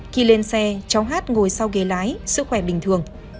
khi lên xe cháu hát ngồi sau ghế lái sức khỏe bình thường